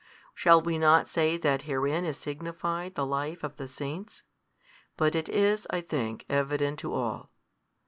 Shall we not say that herein is signified the life of the saints? but it is, I think, evident to all.